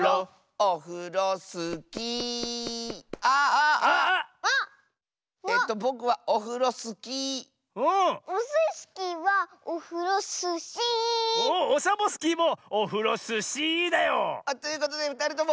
おっオサボスキーもオフロスシーだよ。ということでふたりとも。